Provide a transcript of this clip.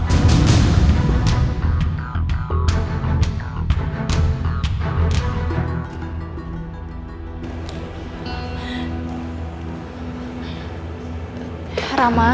karena sekarang aku butuh darah yang mantul